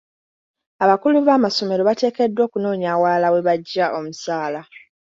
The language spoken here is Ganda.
Abakulu b'amasomero bateekeddwa okunoonya awalala we baggya omusaala.